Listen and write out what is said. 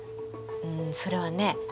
んそれはね